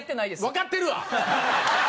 わかってるわ！